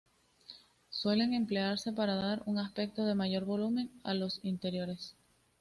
Suelen emplearse para dar un aspecto de mayor volumen a los interiores.